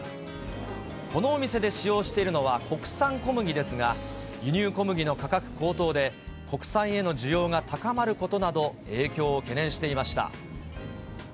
このお店で使用しているのは国産小麦ですが、輸入小麦の価格高騰で、国産への需要が高まることなど、影響を懸念していました。